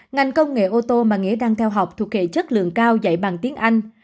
ngành công nghệ ô tô mà nghĩa đang theo học thuộc hệ chất lượng cao dạy bằng tiếng anh